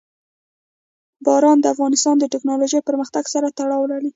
باران د افغانستان د تکنالوژۍ پرمختګ سره تړاو لري.